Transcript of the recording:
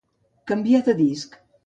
Canviar de disc.